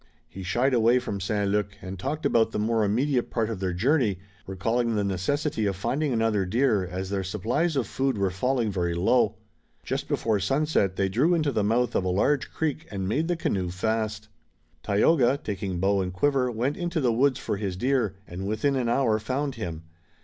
He shied away from St. Luc, and talked about the more immediate part of their journey, recalling the necessity of finding another deer, as their supplies of food were falling very low. Just before sunset they drew into the mouth of a large creek and made the canoe fast. Tayoga, taking bow and quiver, went into the woods for his deer, and within an hour found him.